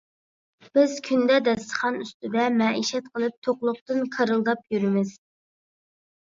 بىز كۈندە داستىخان ئۈستىدە مەئىشەت قىلىپ، توقلۇقتىن كارىلداپ يۈرىمىز.